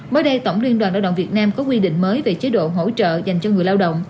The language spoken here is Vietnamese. mới đây tổng liên đoàn lao động việt nam có quy định mới về chế độ hỗ trợ dành cho người lao động